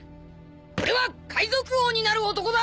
俺は海賊王になる男だ！